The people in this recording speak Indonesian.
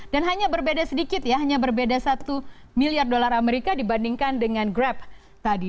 dan hanya berbeda sedikit ya hanya berbeda satu miliar dolar amerika dibandingkan dengan grab tadi